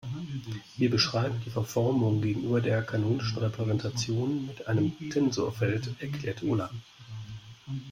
Wir beschreiben die Verformung gegenüber der kanonischen Repräsentation mit einem Tensorfeld, erklärte Ulla.